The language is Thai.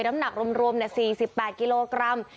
น้ำหนักรวม๔๘กิโลกรัม